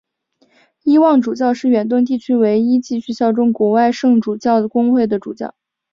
伊望主教是远东地区唯一继续效忠国外圣主教公会的主教。